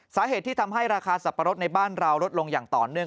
สาเหตุที่ทำให้ราคาสับปะรดในบ้านเราลดลงอย่างต่อเนื่อง